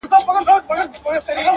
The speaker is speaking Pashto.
د کسمیر لوري د کابل او د ګواه لوري.